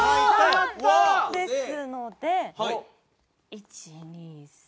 「３」ですので１２３